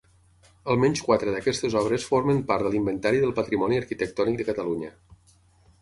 Almenys quatre d'aquestes obres formen part de l'Inventari del Patrimoni Arquitectònic de Catalunya.